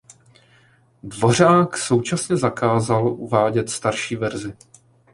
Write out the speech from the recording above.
Dvořák současně zakázal uvádět starší verzi.